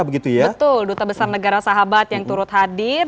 betul duta besar negara sahabat yang turut hadir